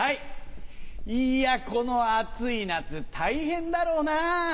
いやこの暑い夏大変だろうな。